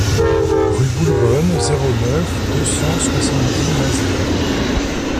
Rue Boulbonne, zéro neuf, deux cent soixante-dix Mazères